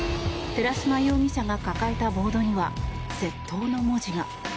寺島容疑者が抱えたボードには窃盗の文字が。